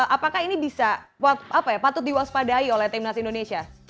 apakah ini bisa apa ya patut diwaspadai oleh tim nasional indonesia